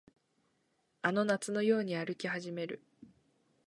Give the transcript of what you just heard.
あの夏のように歩き始める